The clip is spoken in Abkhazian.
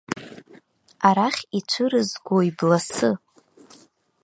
Арахь ицәырызгои бласы!